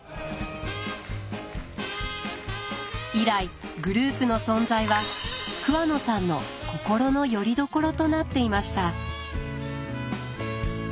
以来グループの存在は桑野さんの心のより所となっていました。